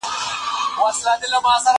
کتابونه د زده کوونکي له خوا لوستل کيږي؟